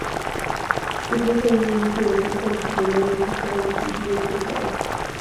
Se trata de un edificio de planta rectangular de fachadas de sencillo trazado.